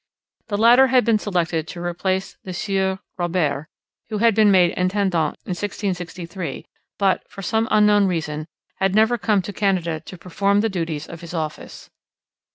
The latter had been selected to replace the Sieur Robert, who had been made intendant in 1663, but, for some unknown reason, had never come to Canada to perform the duties of his office.